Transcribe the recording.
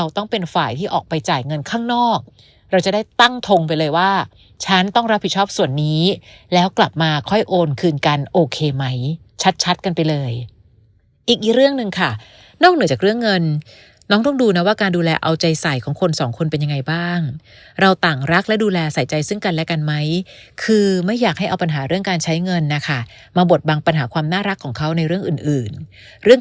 ต้องเป็นฝ่ายที่ออกไปจ่ายเงินข้างนอกเราจะได้ตั้งทงไปเลยว่าฉันต้องรับผิดชอบส่วนนี้แล้วกลับมาค่อยโอนคืนกันโอเคไหมชัดกันไปเลยอีกเรื่องหนึ่งค่ะนอกเหนือจากเรื่องเงินน้องต้องดูนะว่าการดูแลเอาใจใส่ของคนสองคนเป็นยังไงบ้างเราต่างรักและดูแลใส่ใจซึ่งกันและกันไหมคือไม่อยากให้เอาปัญหาเรื่องการใช้เงินนะคะมาบดบังปัญหาความน่ารักของเขาในเรื่องอื่นอื่นเรื่อง